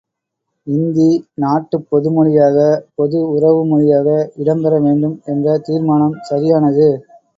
இந்தி, நாட்டுப் பொதுமொழியாக பொது உறவு மொழியாக இடம் பெறவேண்டும் என்ற தீர்மானம் சரியானது.